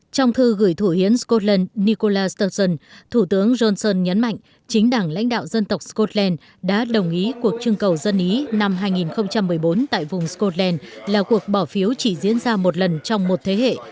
trong thư gửi thủ hiến scotland nicola sturgon thủ tướng johnson nhấn mạnh chính đảng lãnh đạo dân tộc scotland đã đồng ý cuộc trưng cầu dân ý năm hai nghìn một mươi bốn tại vùng scotland là cuộc bỏ phiếu chỉ diễn ra một lần trong một thế hệ